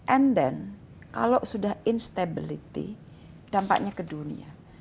and then kalau sudah instability dampaknya ke dunia